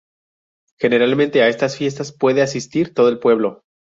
Generalmente a estas fiestas puede asistir todo el pueblo.